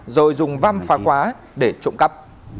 rồi dùng văm phá quá để trộm cắp